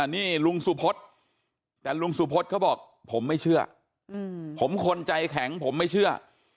นี่ลุงสุพธแต่ลุงสุพธเขาบอกผมไม่เชื่อผมคนใจแข็งผมไม่เชื่อ